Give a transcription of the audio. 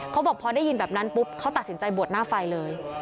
เขาบอกพอได้ยินแบบนั้นปุ๊บเขาตัดสินใจบวชหน้าไฟเลย